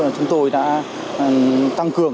chúng tôi đã tăng cường